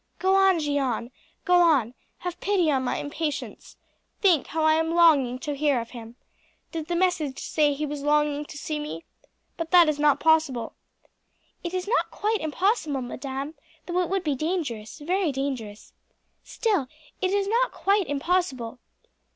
"Go on, Jeanne, go on. Have pity on my impatience. Think how I am longing to hear of him. Did the message say he was longing to see me? But that is not possible." "It is not quite impossible, madam; though it would be dangerous, very dangerous. Still it is not quite impossible."